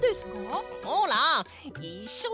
ほらいっしょに！